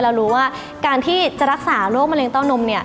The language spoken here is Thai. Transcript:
เรารู้ว่าการที่จะรักษาโรคมะเร็้านมเนี่ย